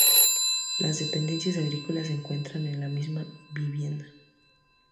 Las dependencias agrícolas se encuentran en la misma vivienda.